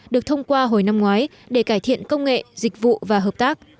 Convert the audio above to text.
được thông qua hồi năm ngoái để cải thiện công nghệ dịch vụ và hợp tác